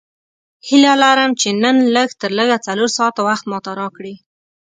هیله لرم چې نن لږ تر لږه څلور ساعته وخت ماته راکړې.